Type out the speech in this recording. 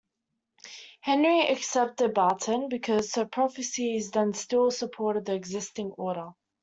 Henry accepted Barton because her prophecies then still supported the existing order.